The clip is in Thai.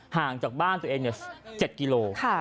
ห่างจากบ้านตัวเอง๗กิโล